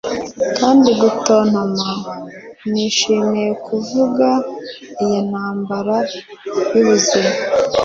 kandi gutontoma, nishimiye kuvuga ... iyi ntambara yubuzima